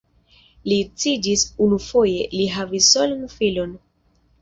Li edziĝis unufoje, li havis solan filon.